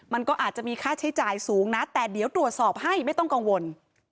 มันก็อาจจะมีค่าใช้จ่ายสูงนะแต่เดี๋ยวตรวจสอบให้ไม่ต้องกังวล